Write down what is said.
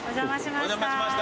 お邪魔しました。